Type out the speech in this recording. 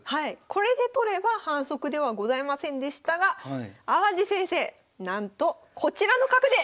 これで取れば反則ではございませんでしたが淡路先生なんとこちらの角で。